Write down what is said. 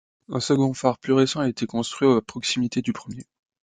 Un second phare plus récent a été construit à proximité du premier.